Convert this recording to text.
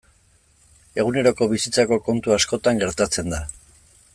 Eguneroko bizitzako kontu askotan gertatzen da.